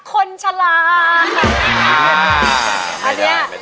ครับ